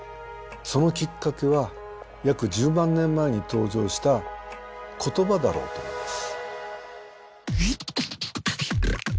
そのきっかけは約１０万年前に登場した言葉だろうと思います。